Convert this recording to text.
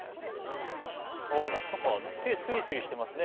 なんか手、すりすりしてますね。